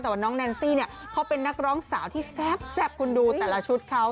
แต่ว่าน้องแนนซี่เนี่ยเขาเป็นนักร้องสาวที่แซ่บคุณดูแต่ละชุดเขา